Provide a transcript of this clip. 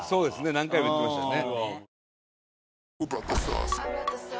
何回も言ってましたよね。